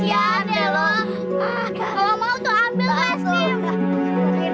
ya allah udah capek lapar kunjiin lagi